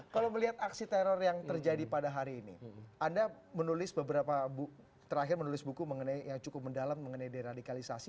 kalau melihat aksi teror yang terjadi pada hari ini anda menulis beberapa terakhir menulis buku yang cukup mendalam mengenai deradikalisasi